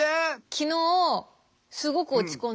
昨日すごく落ち込んで。